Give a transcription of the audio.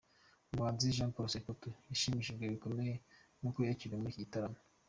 Umuhanzi Jean Paul Samputu, yashimishijwe bikomeye n’uko yakiriwe muri iki gitaramo.